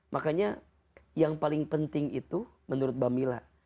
makanya yang paling penting itu menurut mbak mila